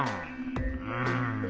うん。